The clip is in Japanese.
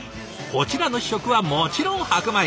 こちらの主食はもちろん白米。